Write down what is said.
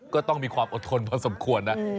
ก็ต้องมีความอดทนพอสมควรนะ